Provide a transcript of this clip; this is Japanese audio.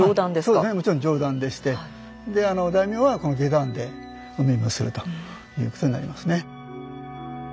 そうですねもちろん上段でしてであの大名はこの下段でお目見えするということになりますね。